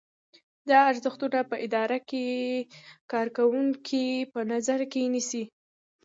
دا ارزښتونه په اداره کې کارکوونکي په نظر کې نیسي.